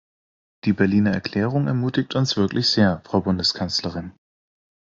Die Berliner Erklärung ermutigt uns wirklich sehr, Frau Bundeskanzlerin.